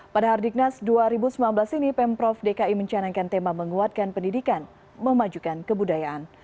pada hardiknas dua ribu sembilan belas ini pemprov dki mencanangkan tema menguatkan pendidikan memajukan kebudayaan